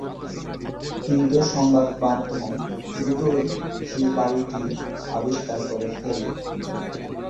কিন্তু সংবাদমাধ্যম দ্রুতই সে বাড়িটি আবিষ্কার করে ফেলে।